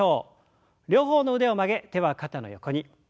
両方の腕を曲げ手は肩の横に。